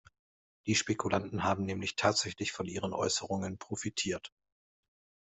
Die Spekulanten haben nämlich tatsächlich von Ihren Äußerungen profitiert.